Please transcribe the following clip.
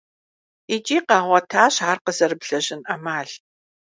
ИкӀи къагъуэтащ ар къызэрыблэжьын Ӏэмал.